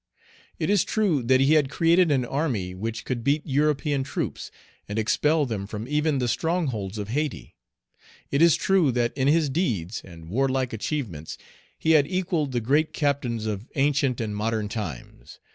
It is true that he had created an army which could beat European troops, and expel them from even the strongholds of Hayti. It is true that in his deeds and warlike achievements he had equalled the great captains of ancient and modern times.